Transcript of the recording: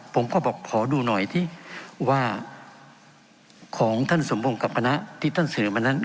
ผมก็บอกขอดูหน่อยที่ว่าของท่านสมพงศ์กับคณะที่ท่านเสนอมานั้น